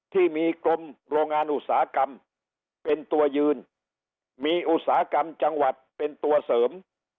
ที่มีกรมโรงงานอุตสาหกรรมเป็นตัวยืนมีอุตสาหกรรมจังหวัดเป็นตัวเสริม